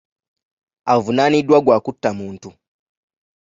Avunaaniddwa gwa kutta muntu.